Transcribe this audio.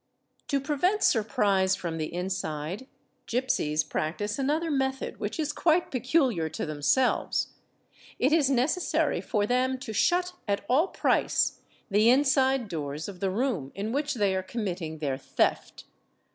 To prevent surprise from the inside, gipsies practice another method which is quite peculiar to themselves ; it is necessary for them to shut a nmrranrawerm all price the inside doors of the room in whic 1 (i calle they are committing their theft.